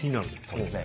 そうですね。